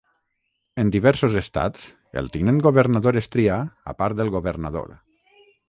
En diversos estats el Tinent Governador es tria a part del Governador.